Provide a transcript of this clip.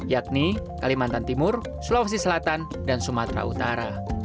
yakni kalimantan timur sulawesi selatan dan sumatera utara